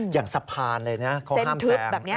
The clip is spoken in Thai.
อย่างสะพานเลยนะเขาห้ามแซง